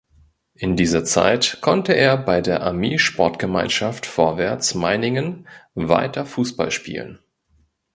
In dieser Zeit konnte er bei der Armeesportgemeinschaft Vorwärts Meiningen weiter Fußball spielen.